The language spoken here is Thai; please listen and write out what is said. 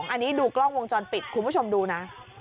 อันนี้ดูกล้องวงจรปิดคุณผู้ชมดูนะ